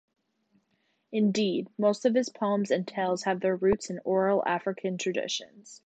Indeed, most of his poems and tales have their roots in oral African traditions.